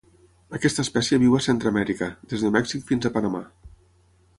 Aquesta espècie viu a Centreamèrica, des de Mèxic fins a Panamà.